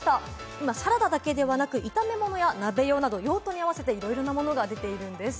今サラダだけではなく炒め物や鍋用など用途に合わせていろいろなものが出ているんです。